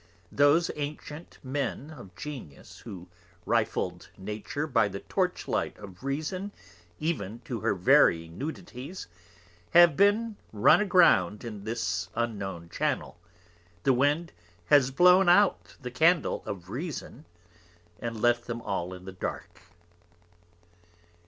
Those Ancient Men of Genius who rifled Nature by the Torch Light of Reason even to her very Nudities, have been run a ground in this unknown Channel; the Wind has blown out the Candle of Reason, and left them all in the Dark.